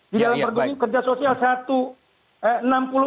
di dalam perguruan kerja sosial satu